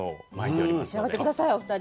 召し上がって下さいお二人。